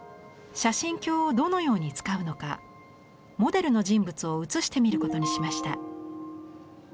写真鏡をどのように使うのかモデルの人物を映してみることにしました。